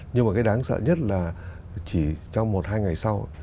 nhưng mà cái đáng sợ nhất là chỉ trong một hai ngày sau